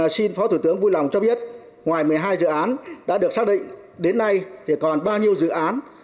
xin phó thủ tướng vui lòng cho biết ngoài một mươi hai dự án đã được xác định đến nay thì còn bao nhiêu dự án